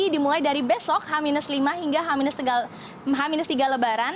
dimulai dari besok h lima hingga h tiga lebaran